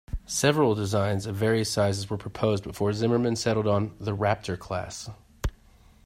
Several designs of various sizes were proposed before Zimmerman settled on the "Raptor"-class.